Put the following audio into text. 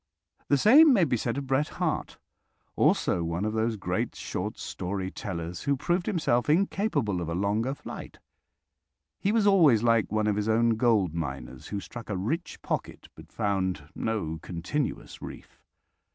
The same may be said of Bret Harte, also one of those great short story tellers who proved himself incapable of a longer flight. He was always like one of his own gold miners who struck a rich pocket, but found no continuous reef.